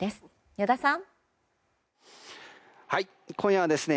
依田さん。